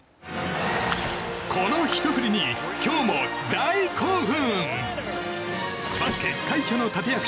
このひと振りに今日も大興奮！